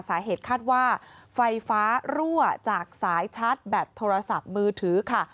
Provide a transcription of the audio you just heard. สาเหตุคาดว่าไฟฟ้ารั่วจากสายชาร์จแบตโทรศัพท์มือถือค่ะ